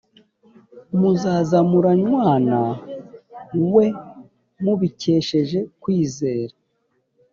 muzazamuranwana we mubikesheje kwizera